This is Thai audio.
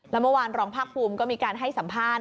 แล้วเมื่อวานรองภาคภูมิก็มีการให้สัมภาษณ์